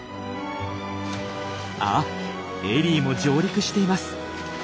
あっエリーも上陸しています。